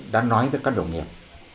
đã nói với các đồng nghiệp